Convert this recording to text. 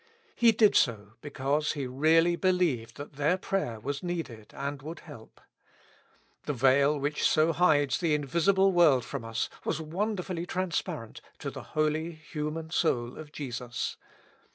He did so because He really believed that their prayer was needed, and would help. The veil which so hides the invisible world from us was wonderfully transparent to the holy human soul of Jesus.